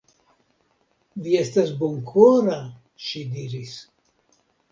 Vi estas bonkora, ŝi diris.